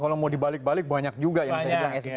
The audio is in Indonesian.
kalau mau dibalik balik banyak juga yang saya bilang